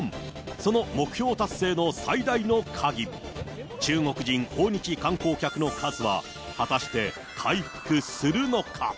その目標達成の最大の鍵、中国人訪日観光客の数は果たして回復するのか。